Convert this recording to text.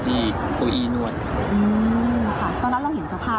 ที่ตัวอี้นวดอืมค่ะตอนนั้นเราเห็นสภาพคุณนั้นเขา